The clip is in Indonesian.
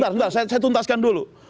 sebentar saya tuntaskan dulu